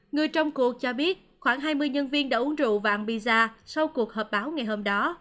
người trong cuộc cho biết khoảng hai mươi nhân viên đã uống rượu và ăn pizza sau cuộc hợp báo ngày hôm đó